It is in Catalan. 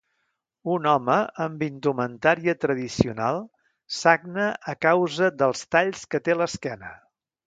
Un home amb indumentària tradicional sagna a causa dels talls que té a l'esquena.